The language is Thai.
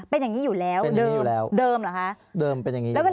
เป็นอย่างนี้อยู่แล้วเดิมเหรอคะเดิมเป็นอย่างนี้อยู่แล้ว